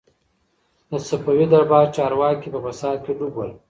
د صفوي دربار چارواکي په فساد کي ډوب ول.